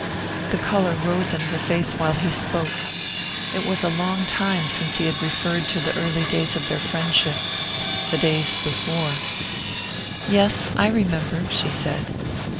The colour rose in her face while he spoke. It was a long time since he had referred to the early days of their friendship the days before.... "Yes, I remember," she said.